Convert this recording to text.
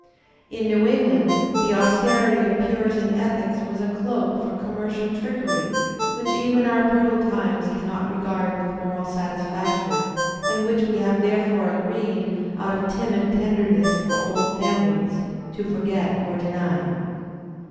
In New England the austerity of Puritan ethics was a doak for conmiercial trickery which even our brutal times cannot regard with moral satisfaction, and which we have therefore agreed, out of timid tenderness for old f amiUes, to forget or deny.